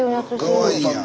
かわいいやん。